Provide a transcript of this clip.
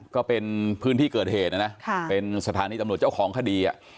ก็เป็นพื้นที่เกิดเหตุนะนะเป็นสถานีตำรวจเจ้าของคดี